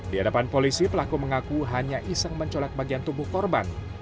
di hadapan polisi pelaku mengaku hanya iseng mencolak bagian tubuh korban